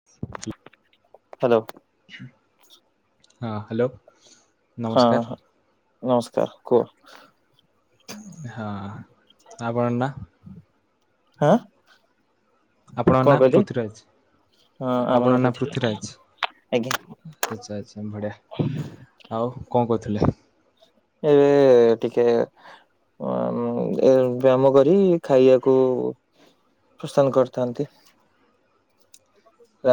[inaudible] Hello. ହଁ hello. ହଁ ନମସ୍କାର ହଁ ନମସ୍କାର କୁହ। ହଁ ଆପଣ ନା। ହଁ। ଆପଣଙ୍କ କଣ ନାଁ କହିଲେ? ପୃଥିରାଜ। ହଁ ଆମନ ଆପଣ ନା ପୃଥିବୀ ପୃଥୀରାଜ ଆଜ୍ଞା ଆଚ୍ଛା ଆଚ୍ଛା ବଢିଆ। ଆଉ କଣ କଉଥିଲେ। ଏବେ ଟିକେ। ବ୍ୟାୟାମ କରି ଖାଇବାକୁ। ପ୍ରସ୍ଥାନ କରିଥାନ୍ତି।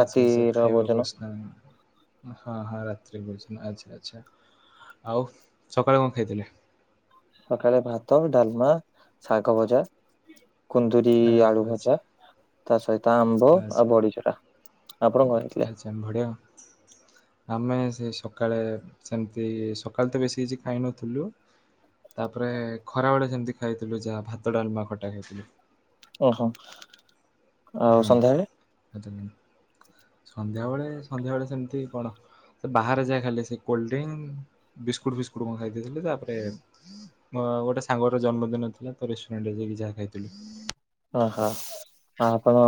ଆଚ୍ଛା ଆଚ୍ଛା ଭୋଜନ ଖାଇବାକୁ ଆସିନାହାନ୍ତି। ହଁ ହଁ ରାତିରେ ଆଚ୍ଛା ଆଚ୍ଛା ଆଉ ସକାଳେ କଣ ଖାଇଥିଲେ। ସକାଳେ ଭାତ ଡାଲମା ଶାଗ ଭଜା। କୁନ୍ଦୁରୀ ଆଚ୍ଛା ଆଳୁ ଆଚ୍ଛା ଭଜା ତା ସହିତ ଆମ୍ବ ଆଚ୍ଛା ଆଉ ବଢିଚୁରା। ଆପଣ କଣ ଖାଇଥିଲେ? ଏମ ଭଳିଆ। ଆମେ ସେ ସକାଳେ ସେମିତି ସକାଳେ ତ ବେଶୀ କିଛି ଖାଇ ନଥିଲୁ। ତାପରେ ଖରାବେଳେ ସେମିତି ଖାଇଥିଲୁ ଯାହା ଭାତ ଡାଲମା ଖଟା ଖାଇଥିଲୁ। ଓହୋ। ଆଉ ହୁଁ ସନ୍ଧ୍ୟାବେଳେ ସନ୍ଧ୍ୟାବେଳେ ସନ୍ଧ୍ୟାବେଳେ ସେମିତି କଣ? ସେ ବାହାରେ ଯାଏ ଖାଇଲେ ସେ କୋଲ୍ଡଡ୍ରିଙ୍କ ବିସ୍କୁଟ ଫିସ୍କୁଟ କ ଖାଇ ଦେଇଥିଲି ତାପରେ। ଅଁ ଗୋଟେ ସାଙ୍ଗର ଜନ୍ମଦିନ ଥିଲା ତ ରେଷ୍ଟୁରାଣ୍ଟ ଯାଇକି ଯାହା ଖାଇଥିଲି। ଓହୋ ଆ ଆପଣ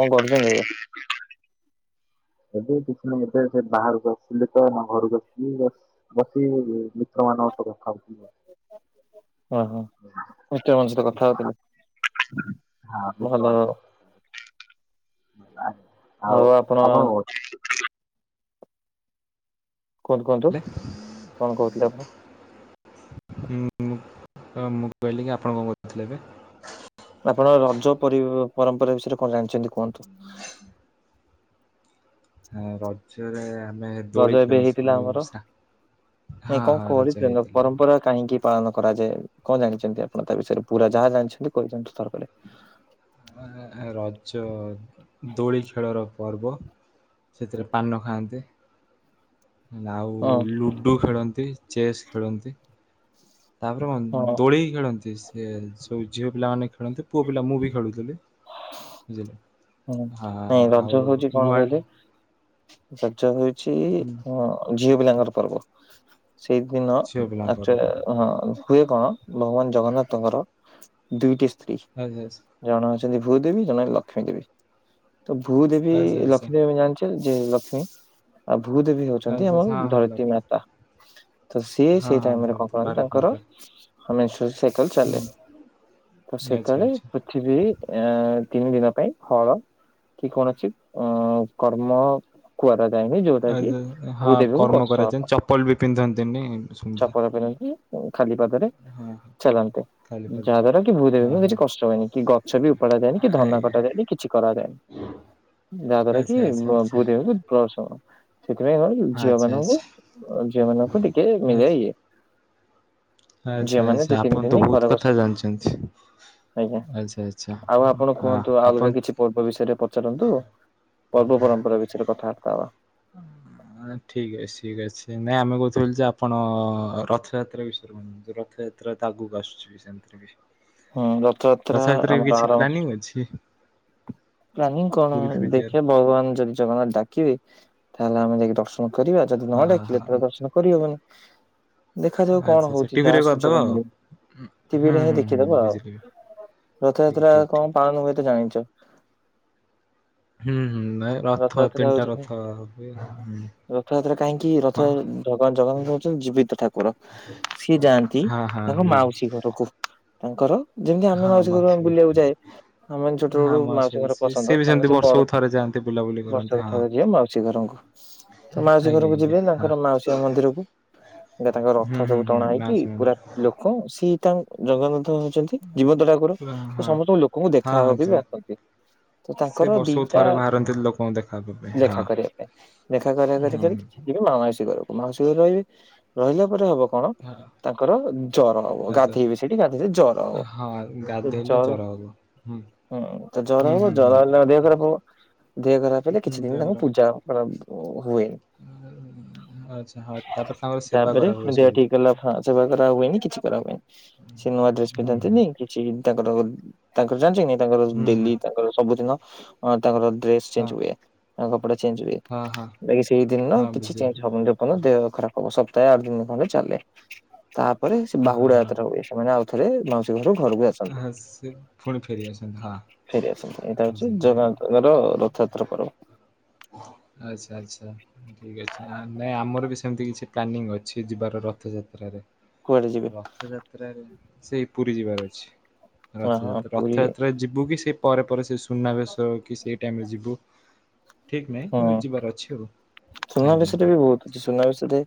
କଣ କରୁଛନ୍ତି ଏବେ? [inaudible] ଏବେ କିଛି ନାହିଁ ଏବେ ସେ ବାହାରୁ ଆସିଲି ତ ଘରୁ ବସିଲି। ମତେ ମିତ୍ରମାନଙ୍କ ସହ ଓହୋ ରଖାହଉଥିଲା। ମିଷ୍ଟର ମୋ ସହିତ କଥା ହଉଥିଲେ ଭଲ [unintelligible] ହଉ ଆପଣ ଆଉ-ଆଉ କଣ କହୁଛୁ କୁହନ୍ତୁ-କୁହନ୍ତୁ ଥିଲେ କଣ କହୁଥିଲେ ଆପଣ ହୁଁ-ହୁଁ ମୁଁ କହିଲି କି ଆପଣ କଣ କହୁଥିଲେ ଏବେ ଆପଣ ରଜ ପରି ପରମ୍ପରା ବିଷୟରେ କଣ ଜାଣିଛନ୍ତି କୁହନ୍ତୁ? [inaudible] ହେଁ ରଜ ରଜରେ ଆମେ ରଜ ଦୋଳି ଏବେ ହେଇଥିଲା ଖେଳୁଥିଲୁ ଆମର ସା ନାଇଁ କଣ ହଁ-ହଁ ରଜ କରିଥିଲେ ହେଇଥିଲା। ପରମ୍ପରା କାହିଁକି ପାଳନ କରାଯାଏ କଣ ଜାଣିଛନ୍ତି ଆପଣ ତା ବିଷୟରେ ପୁରା ଯାହା ଜାଣିଛନ୍ତି କହିଦିଅନ୍ତୁ ଥର କରେ। ରଜ ଦୋଳି ଖେଳର ପର୍ବ ସେଥିରେ ପାନ ଖାଆନ୍ତି ଆଉ ହଁ ଲୁଡୁ ଖେଳନ୍ତି ଚେସ୍ ଖେଳନ୍ତି। ତାପରେ କଣ ହଁ ଦୋଳିି ଖେଳନ୍ତି ସେ ସବୁ ଝିଅ ପିଲାମାନେ ଖେଳନ୍ତି ପୁଅ ପିଲା ମୁଁ ବି ଖେଳୁଥିଲି। ବୁଝିଲେ ହଁ, ହୁଁ ହଁ, ହଁ ନାଇଁ ରଜ ଆଉ ହଉଛି କଣ ନୂଆ କହିଲେ ରଜ ହଉଛି ହଁ ଝିଅ ପିଲାଙ୍କର ପର୍ବ। ସେଇଦିନ ଝିଅ ପିଲାଙ୍କର [unintelligible] ହଁ ହୁଏ କଣ ଭଗବାନ ଜଗନ୍ନାଥଙ୍କର ଦୁଇଟି ସ୍ତ୍ରୀ [unintelligible] ଜଣେ ଅଛନ୍ତି ଭୂ ଦେବୀ, ଜଣେ ଲକ୍ଷ୍ମୀ ଦେବୀ ତ ଭୂ ଦେବୀ ଆଚ୍ଛା ଆଚ୍ଛା ଲକ୍ଷ୍ମୀ ଦେବୀ ଜାଣିଛ ଯେ ଲକ୍ଷ୍ମୀ ଆଉ ଭୂଦେବୀ ହଉଛନ୍ତି ଆଚ୍ଛା ଆମର ଆଚ୍ଛା ହଁ ହଁ ଧରିତ୍ରୀ ଲକ୍ଷ୍ମୀ ମାତା। ତ ସିଏ ହଁ ସେଇ ହଁ ଟାଇମ୍ ରେ କଣ ଧରିଥିଲି କରନ୍ତି ଭାରତ ତାଙ୍କର ମାତା [unintelligible] ସାଇକେଲ ଚାଲେ ହୁଁ ତ ଆଚ୍ଛା ସେତେବେଳେ ଆଚ୍ଛା ପୃଥିବୀ ଏ, ତିନି ଦିନ ପାଇଁ ହଳ କି କୌଣସି ଅ, କର୍ମ କରାଯାଏନି ଯେ ଯାହାକି ଆଚ୍ଛା ହଁ ଭୂଦେବୀଙ୍କୁ କର୍ମ କଷ୍ଟ ହବ। କରାଯାଏ ଚପଲ ବି ପିନ୍ଧନ୍ତିନି ଶୁଣିଛି ସଫଳ କରନ୍ତି। ଏଁ, ଖାଲି ପାଦରେ ହଁ ଚାଲନ୍ତି ଖାଲି ଯାହା ପାଦରେ ଦ୍ଵାରା କି ଭୂ ଦେଵୀ ହଁ ଙ୍କୁ ହଁ କିଛି କଷ୍ଟ ହୁଏନି। କି ଗଛ ଛ ବି ଉପାଡ ଯାଏନି, କି ଧାନ ଆଜ୍ଞା କଟା ଯାଏନି। କିଛି କରାଯାଏନି। ଯାହା ଦ୍ଵାରା କି ଆଚ୍ଛା ଆଚ୍ଛା ଆଚ୍ଛା ବ-ଭୂ ଦେବୀ [unintelligible] ସେଥିପାଇଁ କଣ କି ଝିଅ ଆଚ୍ଛା ମାନଙ୍କୁ ଆଚ୍ଛା ଅ, ଝିଅ ମାନଙ୍କୁ ଟିକେ ମିଳେ ଆଚ୍ଛା ଇଏ। ଝିଅ ଆଚ୍ଛା, ମାନେ ସେ ଆଚ୍ଛା ତିନି ଆପଣ ତ ଦିନି ଘରେ ବହୁତ ବସ କଥା ଜାଣିଛନ୍ତି ଆଜ୍ଞା। ଆଚ୍ଛା, ଆ ଚ୍ଛା ଆଉ ହଁ ଆପଣ ଆ, କୁହନ୍ତୁ ଆଉ ଅଲଗା ଆପଣ କିଛି ପର୍ବ ବିଷୟରେ ପଚାରନ୍ତୁ। ପର୍ବ ପରମ୍ପରା ବିଷୟରେ କଥାବାର୍ତ୍ତା ହବା। ଅ, ହଁ। ଅଁ, ଠିକ୍ ଅସି ଠିକ୍ଅଛି ନା ଆମେ କହୁଥିଲୁ ଯେ ଆପଣ ରଥଯାତ୍ରା ବିଷୟରେ କୁହନ୍ତୁ। ରଥଯା ତ୍ରା ତ ଆଗକୁ ଆସୁଛି ବି ସେମତିରେ ବି। ହଁ ରଥଯାତ୍ରା ରଥଯାତ୍ରାରେ ବି ଆମ ଗାଁ କିଛି ର ପ୍ଲାନିଂ ଅଛି ପ୍ଲାନିଂ କଣ ପୁରୀ ଫୁରୀ ଯିବାର? ଦେଖିବା ଭଗବାନ ଯଦି ଜଗନ୍ନାଥ ଡା କିବେ ତାହେଲେ ଆମେ ଯାଇକି ଦର୍ଶନ କରିବା। ଯଦି ହଁ ନ ଡାକିଲେ ତ ହଁ ଦର୍ଶନ କରିହବନି। ଦେଖାଯାଉ ଆଚ୍ଛା କଣ ଆଚ୍ଛା ହଉଛି ଯାହା ଟିଭିରେ କରିଦବା ସୁଯୋଗ ଆଉ ମିଳିବ। ହୁଁ ଟିଭିରେ ହିଁ ହୁଁ ଦେ ହୁଁ ଖି ଦବା ଆଉ ବୁଝିଲି। ଠିକ୍ ରଥଯାତ୍ରା ଠିକ୍ ଠିକ୍ କଣ ଠିକ୍ ପାଳନ ହୁଏ ତ ଜାଣିଚ? ହୁଁ, ହୁଁ ନାଇ ରଥ ରଥଯାତ୍ରା ତିନଟା ହଉଛି ରଥ ହୁଏ, ହୁଁ, ରଥଯାତ୍ରା କାହିଁକି ରଥ ହଁ। ଭଗବାନ ଜଗନ୍ନାଥ ହଉଛନ୍ତି ଜୀବିତ ଠାକୁର। ସିଏ ଯାଆନ୍ତି ହଁ ହଁ ତାଙ୍କ ବୁଝିଲି ମାଉସୀ ଘରକୁ। ତାଙ୍କର ଯେମିତି ଆମେ ମାଉସୀ ଘର ବୁଲିବାକୁ ଯାଏ। ଆମେ ଛୋଟ ହଁ ବେଳୁ ମାଉସୀ ଘରେ ଘର ସିଏ ସିଏ ପସନ୍ଦ ବି ସେମିତି ତାଙ୍କ ସେ ବର୍ଷକୁ [unintelligible] ଥରେ ଯାଆନ୍ତି ବୁଲାବୁଲି କରନ୍ତି ବର୍ଷକ ହଁ। ଥରେ ଯିବେ ମାଉସୀ ଘରଙ୍କୁ। ତ ମାଉସୀ ଆଜ୍ଞା ଘରକୁ ଆଜ୍ଞା ଯିବେ ହଁ ତାଙ୍କର ମାଉସୀମା ମନ୍ଦିରକୁ। ଯେ ତାଙ୍କ ହୁଁ ରଥ ହୁଁ ସବୁ ହୁଁ ଟଣା ହେଇକି ମାଉସୀ ପୁରା ମନ୍ଦିର ଲୋକ ସିଏ ତା ଜଗନ୍ନାଥ ହଉଛନ୍ତି ତି, ଜୀବନ୍ତ ଠାକୁର ପୁରା ସେ ହଁ। ସମସ୍ତଙ୍କୁ ଲୋକଙ୍କୁ ହଁ ଦେଖା ହଁ ହବାକୁ ବି ଯିବା ଆସନ୍ତି। ତ ସେ ତାଙ୍କର ବର୍ଷକୁ ଦିଟା ଥରେ ବାହାରନ୍ତି ଲୋକଙ୍କୁ ଦେ ଦେଖା କରିବା ପାଇଁ। ଦେଖା କରିବା କରି ହୁଁ ହୁଁ କେମିତି ଯିବେ ମାଉସୀ ଘର କୁ ମାଉସୀ ଘରେ ରହିବେ। ରହିଲା ପରେ ହବ କଣ ହଁ ତାଙ୍କର ଜର ହବ ଆଚ୍ଛା। ଗାଧେଇବେ ସେଇଠି ଗାଧେଇଲେ ଜର ହବ। ହଁ ସେ ଗାଧେଇଲେ ଜର ହବ ହୁଁ। ହୁଁ ତ ଜର ହୁଁ ହବ, ହୁଁ ହୁଁ। ଜର ହେଲେ ଦେହ ଖରାପ ହବ। ଦେହ ଖରାପ ହେଲେ ହୁଁ କିଛି ଦିନ ତାଙ୍କୁ ପୂଜା କରା ହୁଏ ଆଉ ଆଚ୍ଛା ହଁ ତାପରେ ତାଙ୍କର ସେବା କରା ହୁଏ ସବୁ। ହଁ ସେବା କରା ହୁଏନି। କିଛି କରା ହୁଏନି। ସେ ନୂଆ ଡ୍ରେସ୍ ହୁଁ ହୁଁ। ପିନ୍ଧନ୍ତିନି କିଛି ବି ତାଙ୍କର ତାଙ୍କର ଜାଣିଛ କି ନାଇଁ ତାଙ୍କର ହୁଁ ହୁଁ ଡେଲି ତାଙ୍କର ସବୁଦିନ ତାଙ୍କର ଡ୍ରେସ ଚେଞ୍ଜ ହଁ ହୁଏ ତାଙ୍କ କପଡା ଚେଞ୍ଜ ହୁଏ ହଁ ହଁ ବାକି ସେଇ ଦିନ ହଁ କିଛି ଚେଞ୍ଜ ବୁଝିଲି ହବନି କଣ ନା ଦେହ ଖରାପ ହବ ସପ୍ତାହେ ଆଠ ଦିନ ଖଣ୍ଡେ ଚାଲେ ତାପରେ ସେ ହଁ ହଁ ବାହୁଡା ହଁ। ଯାତ୍ରା ହୁଏ ସେମାନେ ଆଉ ଥରେ ମାଉସୀ ଘର ଘରକୁ ଆ ସନ୍ତି ହଁ ସେ ପୁଣି ଫେରି ଆସନ୍ତି ହଁ ଫେରି ଆସନ୍ତି ଏଇଟା ହଉଛି ବୁଝିଲି। ଜଗାଙ୍କର ଛତ୍ର କର ଆଛା ଆଛା ଠିକ ଅଛି ଆମେ ଆମର ବି ସେମିତି କିଛି ପ୍ଲାନିଂ ଅଛି ଯିବାର ରଥଯାତ୍ରାରେ କୁଆଡେ ଯିବେ? ରଥଯାତ୍ରାରେ ସେ ପୁରୀ ଯିବାର ଅଛି ହଁ ହଁ ରଥଯାତ୍ରା ପୁରୀ ରଥଯାତ୍ରା ଯିବୁ କି ସେ ପରେ ପରେ ସେ ସୁନାବେଶ କି ସେଇ ଟାଇମରେ ଯିବୁ ଠିକ୍ ନାହିଁ ହଁ କିନ୍ତୁ ଯିବାର ଅଛି ଆଉ ଆଜ୍ଞା ଆଜ୍ଞା। ଯେ ସୁନାବେଶରେ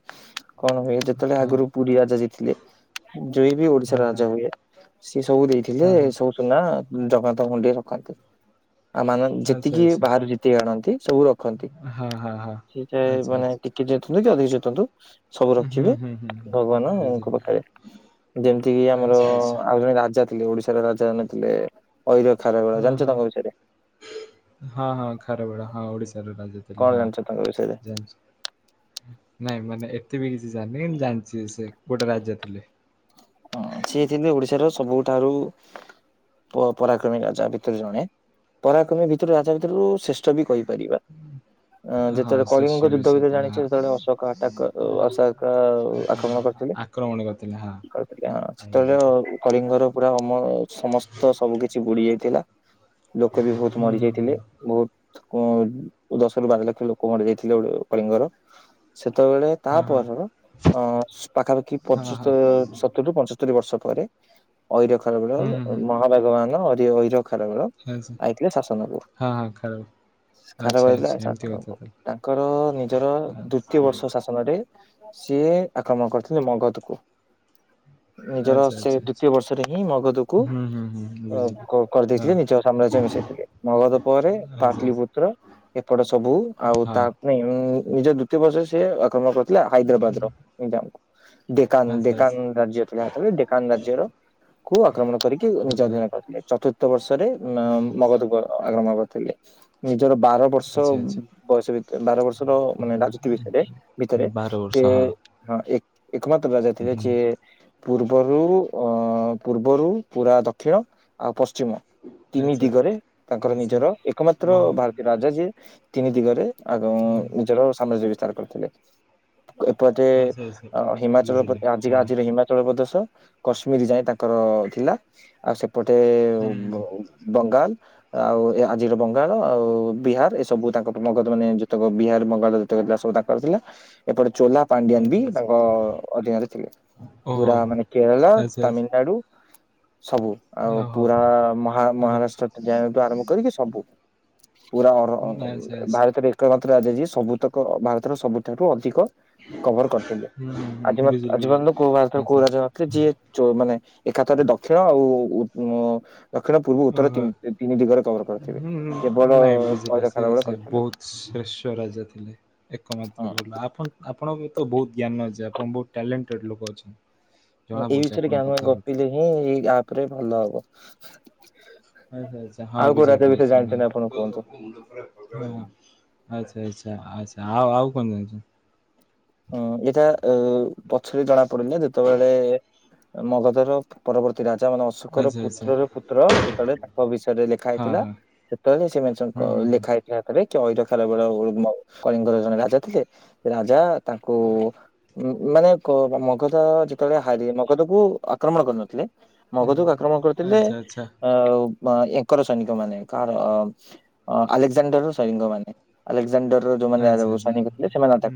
କଣ ହୁଏ ଯେତେବେଳେ ହଁ ଆଗରୁ ପୁରୀ ରାଜା ଯିଏ ଥିଲେ ଯିଏ ବି ଓଡିଶା ହଁ ରାଜା ହଁ। ହୁଏ ସିଏ ସବୁ ଦେଇଥିଲେ ହଁ ହଁ ସବୁ ସୁନା ଜଗା ତା ମୁଣ୍ଡିରେ ରଖନ୍ତି ଆଉ ମାନେ ଆଚ୍ଛା ଯେତିକି ଆଚ୍ଛା ବାହାରୁ ଯେତିକି ଆଣନ୍ତି ସବୁ ରଖନ୍ତି ହଁ ହଁ ହଁ। ସେଇ ଟାଇମ ରେ ଆଚ୍ଛା ମାନେ ଆଚ୍ଛା କିଏ ଥିଲେ ଯଯାତି କେଶଦୁ ସବୁ ହୁଁ ରଖିବେ ହୁଁ ହୁଁ ହୁଁ ବୁଝିଲି ଭଗବାନଙ୍କର ଖାଇବେ ଯେମିତି କିି ଆମର ଆଚ୍ଛା ଆଚ୍ଛା। ଆଉ ଜଣେ ରାଜା ଥିଲେ ଓଡିଶାର ରାଜା ଜଣେ ଥିଲେ ଐର ଖାରବେଳ ହଁ ଜାଣିଛ ହଁ ତାଙ୍କ ବିଷୟରେ ହଁ ହଁ ଖାରବେଳ ହଁ ଓଡିଶାର ରାଜା କଣ ଥିଲେ ହଁ ଜାଣିଛ ତାଙ୍କ ବିଷୟରେ? ଜାଣିଚି। ନାଇଁ ମାନେ ଏତେ ବି କିଛି ଜାଣିିନି ଜାଣିଛି ସେ ଗୋଟେ ରାଜା ଥିଲେ। ହଁ ସିଏ ଥିଲେ ଓଡିଶାର ସବୁଠାରୁ ପ ପରାକ୍ରମୀ ରାଜା ଭିତରେ ଜଣେ ପରାକ୍ରମୀ ଭିତରୁ ରାଜା ଭିତରୁ ଶ୍ରେ ଷ୍ଠ ବି କହିପାରିବା। ଅ ହଁ ଯେତେବେଳେ ଶ୍ରେଷ୍ୟ କଳିଙ୍ଗ ବି ଯୁଦ୍ଧ ସେ ବିଷୟରେ ଥିଲେ ଜାଣିଛି ହଁ ଯେତେବେଳେ ଅଶୋକ ଆଟାକ ଅଶୋକ ଆକ୍ରମଣ କରିଥିଲେ। ଆକ୍ରମଣ କରି କରିଥିଲେ ହଁ ସେତେବେଳେ କଳିଙ୍ଗର ପୁରା ମ ସମସ୍ତ ସବୁ କିଛି ବୁଡି ଯାଇଥିଲା। ଲୋକ ବି ବହୁତ ହୁଁ ହୁଁ ହୁଁ ମରିଯାଇଥିଲେ ବହୁତ ଦଶ କି ବାର ଲକ୍ଷ ଲୋକ ମରି ଯାଇଥିଲେ କଳିଙ୍ଗର ସେତେବେଳେ ତା ହଁ ହଁ ପରର ଅ ପାଖାପାଖି ହଁ ପଚିଷ ହଁ ସତୁରୀ ରୁ ପଞ୍ଚସ୍ତରୀ ବର୍ଷ ପରେ ଐରଖାରବେଳ ହୁଁ ହୁଁ ହୁଁ ମହାମେଘବାହାନ ଅରିଅ ଐର ଖାରବେଳ ଆଚ୍ଛା। ଆଇଥିଲା ଶାସନକୁ। ହଁ ହଁ ଖାଉ ଆଚ୍ଛା ଖାରବେଳ ଆଚ୍ଛା ହେଲା ଏମିତି କଥା ତାହେଲେ। ତାଙ୍କର ନିଜର ଆଚ୍ଛା ଦ୍ଵିତୀୟ ବର୍ଷ ଶାସ ନରେ ସିଏ ଆକ୍ରମଣ କରିଥିଲେ ମଗଧକୁ ନିଜର ଆଚ୍ଛା ସେ ଆଚ୍ଛା ଦ୍ଵିତୀୟ ବର୍ଷରେ ହିଁ ମଗଧକୁ ହୁଁ ହୁଁ ହୁଁ ବୁଝିଲି। ଅ ହଁ କରିଦେଇଥିଲେ ନିଜର ସାମ୍ରାଜ୍ୟ ମିଶାଇଥିଲେ। ମଗଧ ପରେ ଆଚ୍ଛା ଆଚ୍ଛା ହଁ ପାଟଲି ଆଚ୍ଛା ପୁତ୍ର ଏପଟ ସବୁ ଆଉ ତା ନାଇଁ ନିଜ ଦ୍ୱିତୀୟ ବର୍ଷରେ ସେ ଆକ୍ରମଣ କରିଥିଲା ହାଇଦ୍ରାବାଦ ର ମେଜାଙ୍ଗ ଙ୍କୁ ଆଚ୍ଛା ଦେକା କାନ ରାଜ୍ୟ ଥିଲା ସେତେବେଳେ ଡେକାନ ରାଜ୍ୟର କୁ ଆକ୍ରମଣ କରିକି ନିଜ ଅଧ୍ୟୟନ କରିଥିଲେ ଚତୁର୍ଥ ବର୍ଷରେ ମଗଧକୁ ଆକ୍ରମଣ କରିଥିଲେ। ନିଜର ବାର ବର୍ଷ ଆଚ୍ଛା ଆଚ୍ଛା ବୟସ ଭିତ ବାର ବର୍ଷର ମାନେ ରାଜୁତି ବିଷୟରେ ଭିତରେ ସେ ବାରବର୍ଷ ହଁ ହଁ ଏକ ଏକମାତ୍ର ରାଜାଥିଲେ ଯିଏ ପୂର୍ବରୁ ପୂର୍ବରୁ ପୁରା ଦକ୍ଷିଣ ଆଉ ପଶ୍ଚିମ ତିନି ଆଚ୍ଛା ଦିଗରେ ତାଙ୍କର ଆଚ୍ଛା ନିଜର ଏକମାତ୍ର ଭାରତୀୟ ଓହୋ। ରାଜା ଯିଏ ତିନି ଦିଗରେ ଆଗ ନିଜର ସାମ୍ରାଜ୍ୟ ବିସ୍ତାର କରିଥିଲେ। ଏପଟେ ହିମାଚଳ ପ-। ଆଜି ଆଜିର ହିମାଚଳ ପ୍ରଦେଶ କଶ୍ମୀର ଯାଇଏ ତାଙ୍କର ଥିଲା ଆଉ ସେ। ଏପଟେ ବଙ୍ଗାଲ୍। ଆଉ ଏ ଆଜିର ବଙ୍ଗାଳ ଆଉ ବିହାର ଏ ସବୁ ତାଙ୍କ ମଗଦ ମାନେ ଯେତେକ ବିହାର ବଙ୍ଗାଳ। ଯେତକ ଯାଗ ସବୁ ତାଙ୍କର ଥିଲା ଏପଟ ଚୋଲା। ପାଣ୍ଡିଆନ୍ ବି ତାଙ୍କ ଅଧୀନରେ ଥିଲେ ପୁରା ମାନେ କେରଳା ତାମିଲନାଡୁ। ସବୁ। ଆଉ ପୁରା ମହା ମହାରାଷ୍ଟ୍ର ଯାଇଠୁ ଆରମ୍ଭ କରିକି ସବୁ। ପୁରା ଭାରତରେ ଏକମଥ ରାଜାଜୀ ସବୁତକ ଭାରତର ସବୁଠାରୁ ଅଧିକ। କଭର କରିଥିଲେ ଆଜି ଆଜି ପର୍ଯ୍ୟନ୍ତ କୋଉ ଭରେ କୋଉ ରାଜା ନଥିଲେ ଯିଏ। ଚ ମାନେ ଏକା ଥରେ ଦକ୍ଷିଣ ଆଉ। ଦକ୍ଷିଣ ପୂର୍ବ ଉତ୍ତର ତିନି ଦି ଦିଗରେ କଭର କରିଥିଲେ ହୁଁ କେବଳ ନାଇଁ କ ବୁଝିଲେ ସେ ଖାର ବଳେ ସେ କରିଥିଲେ। ବହୁତ ଶ୍ରେଷ୍ଠ ରାଜା ଥିଲେ ହଁ ଏକମାତ୍ର ଭଲ ଆପଣ। ଆପଣଙ୍କ ବି ତ ବହୁତ ଜ୍ଞାନ ଅଛି ଆପଣ ବହୁତ ଟ୍ୟାଲେଣ୍ଟେଡ ଲୋକ ଅଛନ୍ତି। ଜଣା ଏଇ ପଡୁଛି ବିଷୟରେ କି ଆପଣଙ୍କ ଆମେ କଥାବାର୍ତ୍ତାରୁ ଗପିଲେ ହିଁ ଏଇ ଆପ ରେ ଭଲ ହବ। ଆଚ୍ଛା ଆଚ୍ଛା ହଁ ଆଉ କୋଉ ବୁଝା ରାଜା ବିଷୟରେ ପଡୁଛି ନାଇଁ। ଜାଣିଛନ୍ତି ଆପଣ କୁହନ୍ତୁ? ହ ଆଚ୍ଛା ଆଚ୍ଛା ଆଛା ଆଉ ଆଉ କଣ ଜାଣିଛନ୍ତି। ହୁଁ ଏଇଟା ପଛରେ ଜଣା ପଡିଲା ଯେତେବେଳେ ମଗଧର ପରବର୍ତ୍ତୀ। ରାଜା ମାନେ ଅଶୋକର ଆଚ୍ଛା ଆଚ୍ଛା ପୁତ୍ରର ପୁତ୍ର ଯେତେବେଳେ ତାଙ୍କ ବିଷୟରେ ଲେଖା ହେଇଥିଲା। ସେତେବେଳେ ସେମାନେ ସଙ୍କ ଲେଖା ହେଇ। ଇଆପରେ କେଇରଖେଲ ବେଳ ମ କଳିଙ୍ଗର ଜଣେ ରାଜା ଥିଲେ ରାଜା। ତାଙ୍କୁ ଉ। ମାନେ କ ମଗଧ ଯେତେବେଳେ ହାରି ମଗଧ କୁ ଆକ୍ରମଣ କରିନଥିଲେ। ମଗଧକୁ ଆକ୍ରମଣ କରିଥିଲେ। ଅ ୟାଙ୍କର ସୈନିକ ମାନେ କାହାର ଆଲେକ୍ଜାଣ୍ଡର ସୈନିକ ମାନେ। ଆଲେକ୍ଜାଣ୍ଡର ଯୋଉମାନେ ସୈନିକ ଥିଲେ ସେମାନେ ତ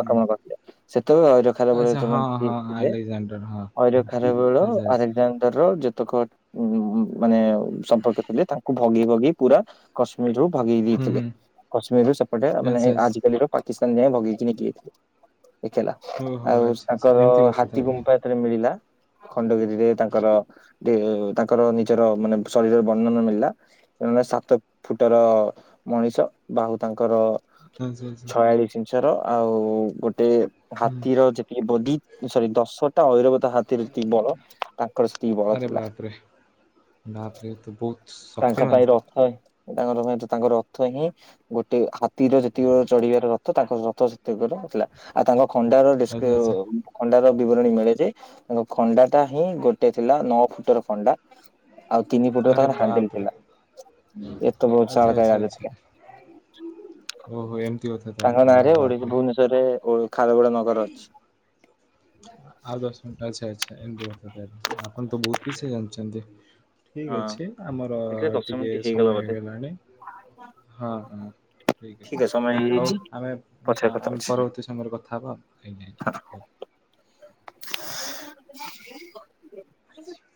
ଆକ୍ରମଣ କରିଥିଲେ ସେତବେ। ଖାର ବେଳେ ଯେତେ ଠିକ ଥିଲେ ଆଲେକ୍ସାଣ୍ଡର ହଁ ଅଇର ଖାର ବେଳ ଆଚ୍ଛା ଆଚ୍ଛା ଆଲେକ୍ଜାଣ୍ଡର ର ଯେତେକ। ଉ ମାନେ ସମ୍ପର୍କ ଥିଲେ ତାଙ୍କୁ ଭଗେଇ ଭଗେଇ ପୁରା। କଶ୍ମୀର ରୁ ଭଗେଇ ହୁଁ ଦେଇଥିଲେ ହୁଁ କଶ୍ମୀର ରୁ ସେପଟେ ଆଚ୍ଛା ମାନେ ଆଚ୍ଛା ଆଜିକାଲି ର। ପାକିସ୍ତାନ ଯାଇଁ ଭଗେଇକି ନେଇକି ଯାଇଥିଲେ। ଏକେଲା ଓହୋ ଆଉ ଆଚ୍ଛା ଆଚ୍ଛା ତାଙ୍କର ଏମିତି କଥା ହାତୀ ତାହେଲେ ଗୁମ୍ଫା ଏଥିରେ ମିଳିଲା। ଖଣ୍ଡଗିରିରେ ତାଙ୍କର ତାଙ୍କର ନିଜର ମାନେ ଶରୀରର ବର୍ଣ୍ଣନ ମିଳିଲା। ଏମ ସାତ ଫୁଟର ମଣିଷ ବା ଆଉ ତାଙ୍କର। ଆଚ୍ଛା ଆଚ୍ଛା। କାଳି ଛିଞ୍ଚର ଆଉ ଗୋଟେ। ହୁଁ ହାତୀର ଯେତିକି ବଡ଼ି ସରି ଦଶଟା ଐରବତ ହାତୀର ଯେତିକି ବଳ। ତାଙ୍କର ସେତିକି ବଳ ଥିଲା। ୟାପରେ ତ ବହୁତ। ତାଙ୍କ ଶକ୍ତିମାନ ପାଇଁ ରଥ ତାଙ୍କ ର ହୁଏତ ତାଙ୍କ ରଥ ହିଁ। ଗୋଟେ ହାତୀର ଯେତିକି ଚଢିବାର ରଥ ତାଙ୍କ ରଥ ସେତକର। ଥିଲା ଆଉ ତାଙ୍କ ଖଣ୍ଡାର ଆଚ୍ଛା ଆଚ୍ଛା ଡେସ୍କର ଖଣ୍ଡାର ବିବରଣୀ ମିଳେ ଯେ ତାଙ୍କ ଖଣ୍ଡାଟା ହିଁ ଗୋଟେ ଥିଲା ନଅ ଫୁଟ ର ଖଣ୍ଡା। ଆଉ ତିନି ଫୁଟର ଆରେ। ତାଙ୍କର ହାଣ୍ଡେଲ ବାପରେ ଥିଲା। ଏତେ ଆଚ୍ଛା ବିଶାଳକାୟ ଆଚ୍ଛା ଗାଡି ଥିଲା ଆଚ୍ଛା। ଓହୋ ଏମତି କଥା ତାହେଲେ ଆରେ ବା। ଭୁବନେଶ୍ୱର ରେ ଖାରବେଳ ନଗର ଅଛି। ଆଉ ଦଶ ମିନ ଆଚ୍ଛା ଆଛା ଏମତି କଥା ତାହାଲେ। ଆପଣ ତ ବହୁତ କିଛି ଜାଣିଚନ୍ତି। ଠିକ ହଁ ଅଛି ଆମର ଦେଖିଲେ ଦଶ ଟିକେ ମିନିଟ୍ ହେଇଗଲା ସମୟ ବୋଧେ। ହେଇଗଲାଣି। ହଁ ହଁ ଠିକ ଅଛି। ହଉ ଆମେ ପଛରେ ହଁ କଥା ଆମେ ହଉଛି। ପରବର୍ତ୍ତୀ ସମୟରେ କଥା ହେବା ଆଉ। ଆଜ୍ଞା ଆଜ୍ଞା। ହଉ। ଆସ